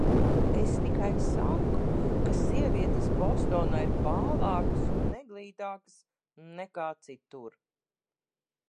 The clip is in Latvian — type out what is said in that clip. Es tikai saku, ka sievietes Bostonā ir bālākas un neglītākas nekā citur.